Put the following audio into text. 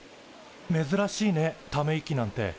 めずらしいねため息なんて。